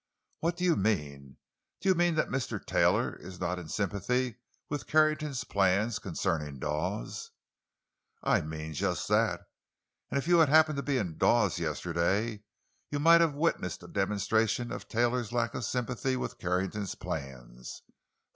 "What do you mean? Do you mean that Mr. Taylor is not in sympathy with Carrington's plans concerning Dawes?" "I mean just that. And if you had happened to be in Dawes yesterday you might have witnessed a demonstration of Taylor's lack of sympathy with Carrington's plans.